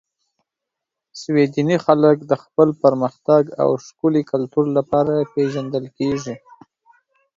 سویدني خلک د خپل پرمختګ او ښکلي کلتور لپاره پېژندل کیږي.